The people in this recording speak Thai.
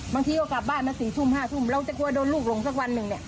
บางทีก็กลับบ้านสี่ทุ่มห้าทุ่มเราจะกลัวโดนลูกลงสักวันหนึ่ง